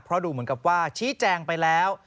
เพราะดูเหมือนกับว่าชี้แจงไปแล้ว